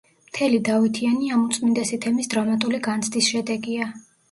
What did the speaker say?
მთელი „დავითიანი“ ამ უწმინდესი თემის დრამატული განცდის შედეგია.